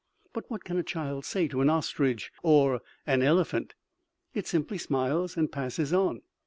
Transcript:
But what can a child say to an ostrich or an elephant? It simply smiles and passes on.